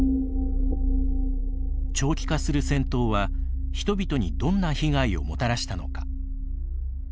長期化する戦闘は、人々にどんな被害をもたらしたのか。